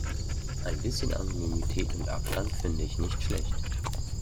Ein bisschen Anonymität und Abstand finde ich nicht schlecht.